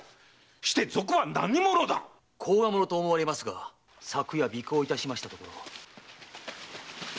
して賊は何者だ⁉甲賀者と思われますが昨夜尾行いたしましたところ。